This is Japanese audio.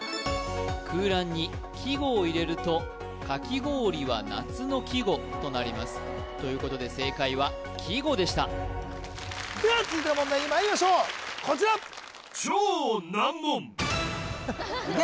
空欄に「きご」を入れるととなりますということで正解は「きご」でしたでは続いての問題にまいりましょうこちらいけ！